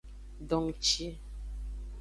Dongci.